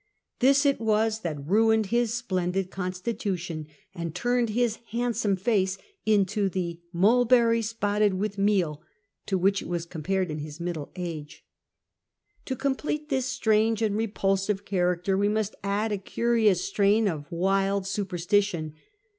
This it was that ruined his splendid constitution, and turiaed his handsome face into the " mul berry spotted with meal," to which it was compared in his middle age. To complete this strange and repulsive character we must add a curious strain of wild superstition.